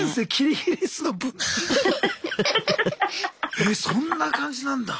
えっそんな感じなんだ。